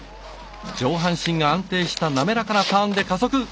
上半身が安定した滑らかなターンで加速。